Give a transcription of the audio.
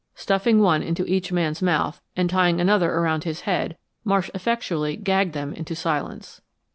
Stuffing one into each man's mouth, and tying another around his head, Marsh effectually gagged them into silence.